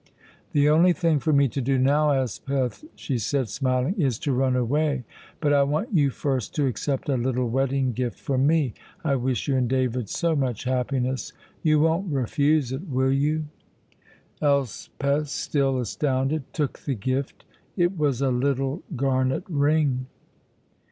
"The only thing for me to do now, Elspeth," she said, smiling, "is to run away, but I want you first to accept a little wedding gift from me. I wish you and David so much happiness; you won't refuse it, will you?" Elspeth, still astounded, took the gift. It was a little garnet ring.